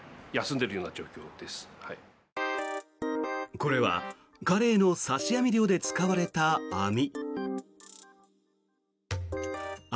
これはカレイの刺し網漁で使われた網。